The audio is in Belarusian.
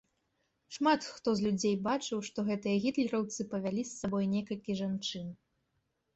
Шмат хто з людзей бачыў, што гэтыя гітлераўцы павялі з сабой некалькі жанчын.